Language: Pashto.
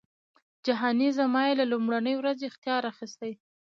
جهانی زما یې له لومړۍ ورځی اختیار اخیستی